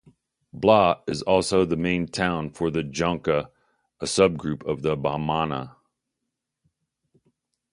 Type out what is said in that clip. Bla is also the main town for the Djonka, a sub-group of the Bamana.